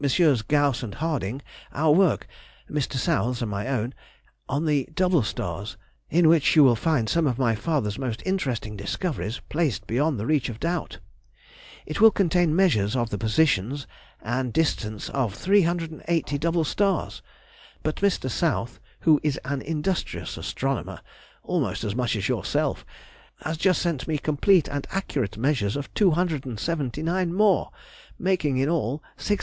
Gauss and Harding our work (Mr. South's and my own) on the double stars, in which you will find some of my father's most interesting discoveries placed beyond the reach of doubt. It will contain measures of the position and distance of 380 double stars. But Mr. South, who is an industrious astronomer (almost as much so as yourself), has just sent me complete and accurate measures of 279 more, making in all 659.